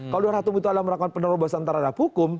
kalau di luar aturan hukum itu ada penerobosan terhadap hukum